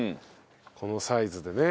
このサイズでね。